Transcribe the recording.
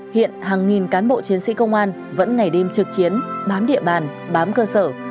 hiện hàng nghìn cán bộ chiến sĩ công an vẫn ngày đêm trực chiến bám địa bàn bám cơ sở